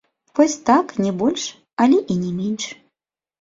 Вось так, не больш, але і не менш.